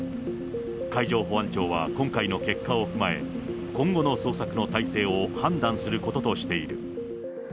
海上保安庁は今回の結果を踏まえ、今後の捜索の態勢を判断することとしている。